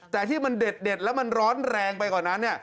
แต่ที่มันเด็ดแล้วมันร้อนแรงไปกว่านั้น